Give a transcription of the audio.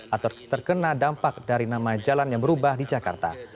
atau terkena dampak dari nama jalan yang berubah di jakarta